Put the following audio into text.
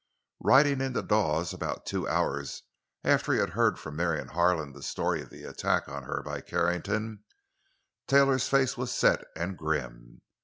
Riding into Dawes about two hours after he had heard from Marion Harlan the story of the attack on her by Carrington, Taylor's face was set and grim.